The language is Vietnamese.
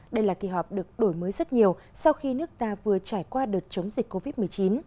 đây là kỳ họp được đổi mới rất nhiều sau khi nước ta vừa trải qua đợt chống dịch covid một mươi chín